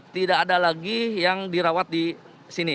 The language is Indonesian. tidak ada lagi yang dirawat di sini